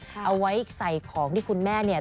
เอาไว้ใส่ของที่คุณแม่เนี่ย